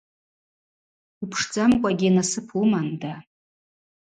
Упшдзамкӏвагьи насып уыманда.